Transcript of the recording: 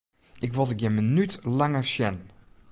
Ik wol dyn gjin minút langer sjen!